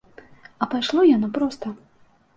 А пайшло яно проста.